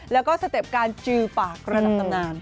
แล้วก็สเต็ปการจือปากระดับตำนาน